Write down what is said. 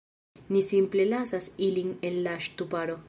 Ni simple lasas ilin en la ŝtuparo